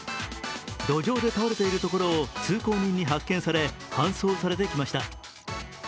路上で倒れているところを通行人に発見され、搬送されてきました。